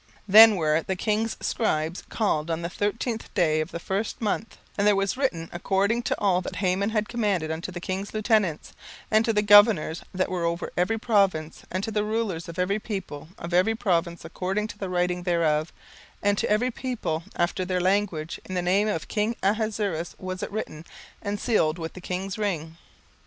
17:003:012 Then were the king's scribes called on the thirteenth day of the first month, and there was written according to all that Haman had commanded unto the king's lieutenants, and to the governors that were over every province, and to the rulers of every people of every province according to the writing thereof, and to every people after their language; in the name of king Ahasuerus was it written, and sealed with the king's ring.